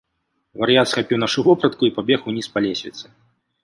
Вар'ят схапіў нашу вопратку і пабег уніз па лесвіцы.